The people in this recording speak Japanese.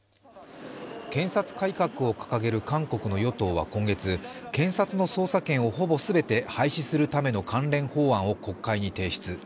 検察改革を掲げる韓国の与党は今月、検察の捜査権をほぼ全て廃止するための関連法案を国会に提出。